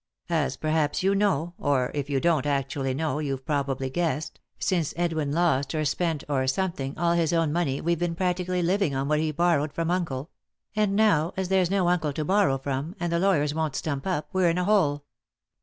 As perhaps you know, or, if you don't actually know, you've probably guessed, since Edwin lost, or spent, or something, all his own money we've been practically living on what he borrowed from uncle ; and now, as there's no uncle to borrow from, and the lawyers won't stump up, we're in a hole."